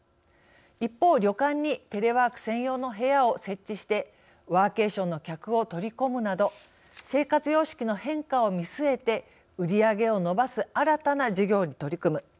一方、旅館にテレワーク専用の部屋を設置してワーケーションの客を取り込むなど生活様式の変化を見据えて売り上げを伸ばす新たな事業に取り組む。